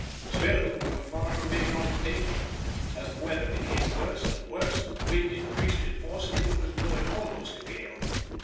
Still we were far from being out of danger, as the weather became worse and worse and the wind increased in force until it was blowing almost a gale.